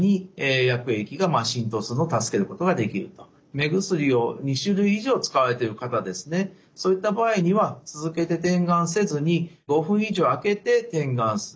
目薬を２種類以上使われている方ですねそういった場合には続けて点眼せずに５分以上あけて点眼する。